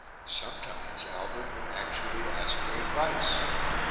Sometimes Albert would actually ask her advice.